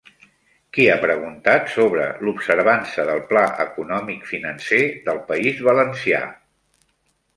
Qui ha preguntat sobre l'observança del Pla Econòmic Financer del País Valencià?